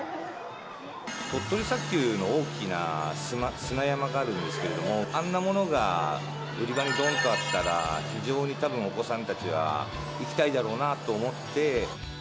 鳥取砂丘の大きな砂山があるんですけど、あんなものが売り場にどんとあったら、非常にたぶん、お子さんたちは行きたいだろうなと思って。